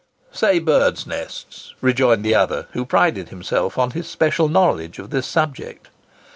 "Say birds' nests!" rejoined the other, who prided himself on his special knowledge of this subject.